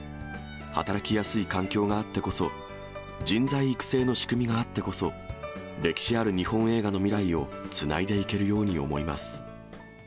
働きやすい環境があってこそ、人材育成の仕組みがあってこそ、歴史ある日本映画の未来をつないでいけるように思います。